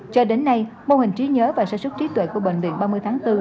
cho đến nay mô hình trí nhớ và sản xuất trí tuệ của bệnh viện ba mươi tháng bốn